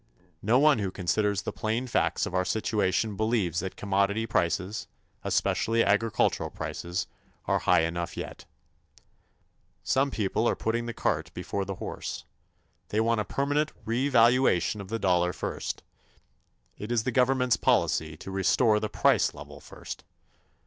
No one who considers the plain facts of our situation believes that commodity prices, especially agricultural prices, are high enough yet. Some people are putting the cart before the horse. They want a permanent revaluation of the dollar first. It is the government's policy to restore the price level first.